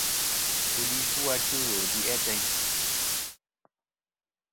Ndu li fu achɨ wul du'i ateyn.